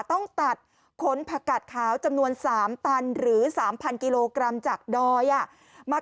ต้องตัดขนผักกาดขาวจำนวน๓ตันหรือ๓๐๐กิโลกรัมจากดอยมา